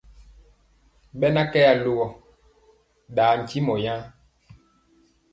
Ɓena kɛ alogɔ ɗen ntimɔ awaan ?